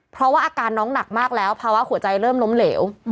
เพราะว่าอาการน้องหนักมากแล้วภาวะหัวใจเริ่มล้มเหลว